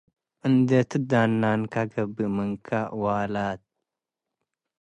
እንዴ ትደነነከ - ገብእ ምንከ ዋላት